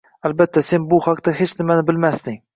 Albatta, sen bu haqda hech nimani bilmasding